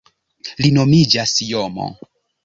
Li nomiĝas JoMo.